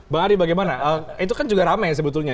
bang adi bagaimana itu kan juga ramai sebetulnya